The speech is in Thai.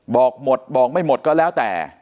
บอกหมดบอกไม่หมดก็แล้วแต่